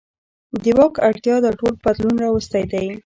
د واک اړتیا دا ټول بدلون راوستی دی.